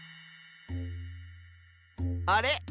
あれ？